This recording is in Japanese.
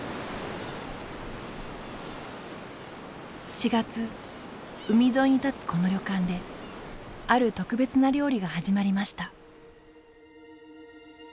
４月海沿いに立つこの旅館である特別な料理が始まりました。